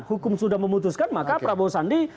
hukum sudah memutuskan maka prabowo sandi